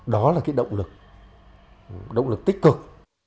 đó là cái động lực động lực tích cực